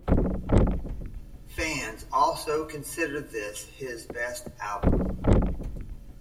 Fans also consider this his best album.